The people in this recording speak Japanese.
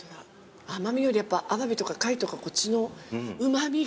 甘味よりアワビとか貝とかこっちのうま味が。